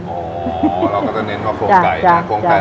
อ๋อเราก็จะเน้นกับโครงไก่